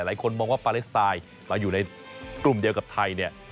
หลายคนมองว่าปาเลสไตล์เราอยู่ในกลุ่มเดียวกับไทยเนี่ย